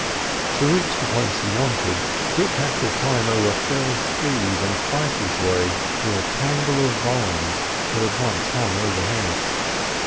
To reach the place he wanted, Dick had to climb over felled trees and fight his way through a tangle of vines that had once hung overhead.